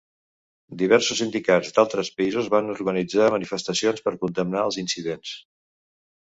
Diversos sindicats d'altres països van organitzar manifestacions per condemnar els incidents.